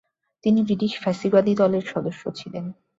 তিনি ব্রিটিশ ফ্যাসিবাদী দলের সদস্য ছিলেন।